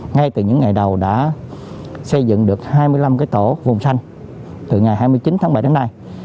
ngay từ những ngày đầu đã xây dựng được hai mươi năm cái tổ vùng xanh từ ngày hai mươi chín tháng bảy đến nay